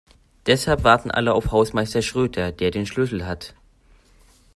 Deshalb warten alle auf Hausmeister Schröter, der den Schlüssel hat.